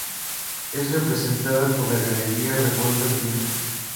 Es representada por la Galería Revolver, Lima.